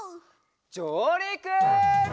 じょうりく！